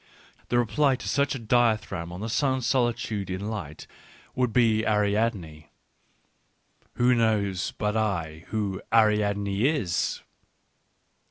The reply to such a dithyramb on the sun's solitude in light would be Ariadne. ... Who knows, but I, who Ariadne is